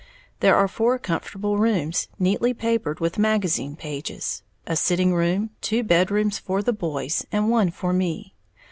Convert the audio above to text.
There are four comfortable rooms, neatly papered with magazine pages, a sitting room, two bedrooms for the boys, and one for me.